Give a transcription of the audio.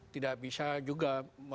tidak bisa juga